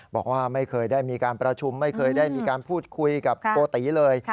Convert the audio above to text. บอกว่าไม่เคยได้มีการประชุมไม่เคยได้มีการพูดคุยกับโกติเลย